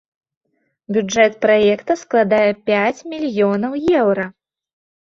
Бюджэт праекта складае пяць мільёнаў еўра.